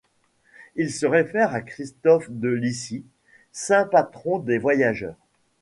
Il se réfère à Christophe de Lycie, Saint Patron des voyageurs.